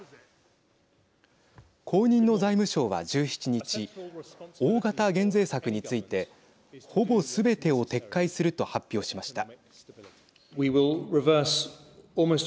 後任の財務相は１７日大型減税策についてほぼすべてを撤回すると発表しました。